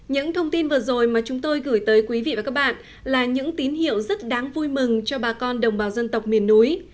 những thông tin vừa rồi mà chúng tôi gửi tới quý vị và các bạn là những tín hiệu rất đáng vui mừng cho bà con đồng bào dân tộc miền núi